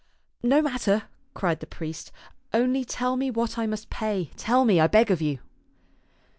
"No matter," cried the priest, " only tell me what I must pay. Tell me, I beg of you."